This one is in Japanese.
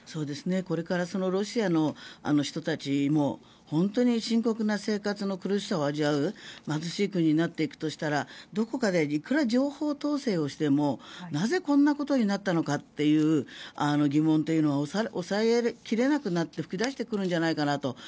これからロシアの人たちも本当に深刻な生活の苦しさを味わう貧しい国になっていくとしたらどこかでいくら情報統制をしてもなぜこんなことになったのかっていう疑問というのは抑え切れなくなって噴き出してくるんじゃないかなと。